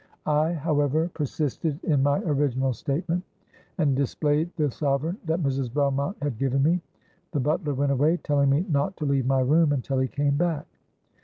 I however persisted in my original statement, and displayed the sovereign that Mrs. Beaumont had given me. The butler went away, telling me not to leave my room until he came back.